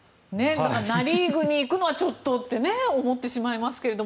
ナ・リーグに行くのはちょっとって思ってしまいますけど。